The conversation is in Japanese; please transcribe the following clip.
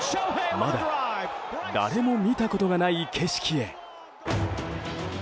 まだ誰も見たことがない景色へ。